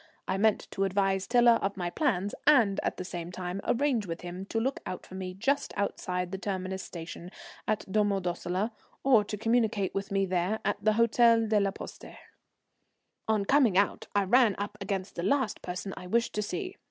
I meant to advise Tiler of my plans, and at the same time arrange with him to look out for me just outside the terminus station at Domo Dossola, or to communicate with me there at the Hôtel de la Poste. On coming out I ran up against the last person I wished to see.